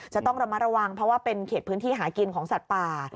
จะต้องระมัดระวังเพราะว่าเป็นเขตพื้นที่หากินของสัตว์ป่า